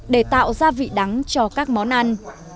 để tạo gia vị đắng cho các món ăn